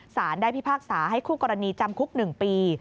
สารได้พิพากษาให้คู่กรณีจำคุก๑ปี